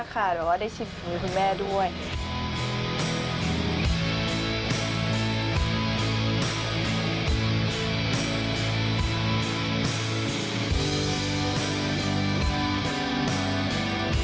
โอ้โหคุณแม่ค่ะหรือว่าได้ชิมมื้อคุณแม่ก็ทำให้ขนาดนี้ถือเป็นแบบว่าไม่ได้ชิมมื้อคุณแม่ค่ะ